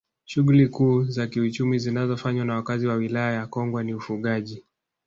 Shughuli kuu za kiuchumu zinazofanywa na wakazi wa Wilaya ya Kongwa ni ufugaji